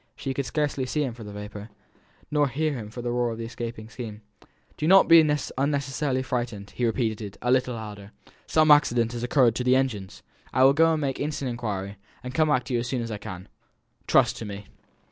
She could scarcely see him for the vapour, nor hear him for the roar of the escaping steam. "Do not be unnecessarily frightened," he repeated, a little louder. "Some accident has occurred to the engines. I will go and make instant inquiry, and come back to you as soon as I can. Trust to me."